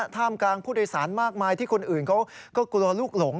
ท่ามกลางผู้โดยสารมากมายที่คนอื่นเขาก็กลัวลูกหลง